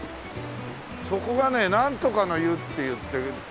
そこがねなんとかの湯っていって。